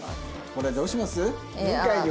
これどうします？